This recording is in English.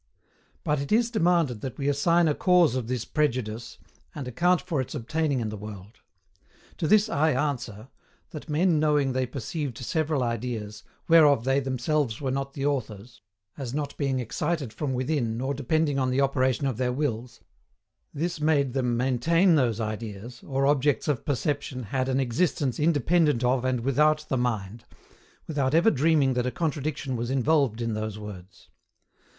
But it is demanded that we assign A CAUSE OF THIS PREJUDICE, and account for its obtaining in the world. To this I ANSWER, that men knowing they perceived several ideas, WHEREOF THEY THEMSELVES WERE NOT THE AUTHORS as not being excited from within nor depending on the operation of their wills this made them maintain those ideas, or objects of perception had an EXISTENCE INDEPENDENT OF AND WITHOUT THE MIND, without ever dreaming that a contradiction was involved in those words.